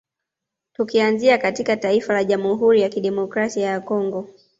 Tukianzia katika taifa la Jamhuri ya Kidemokrasaia ya Congo